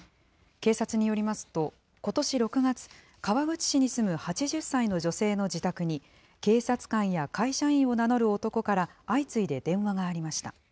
警察によりますと、ことし６月、川口市に住む８０歳の女性の自宅に、警察官や会社員を名乗る男から相次いで電話がありました。